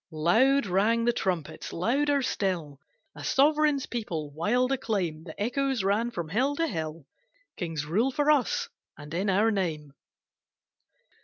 Loud rang the trumpets; louder still A sovereign people's wild acclaim. The echoes ran from hill to hill, "Kings rule for us and in our name."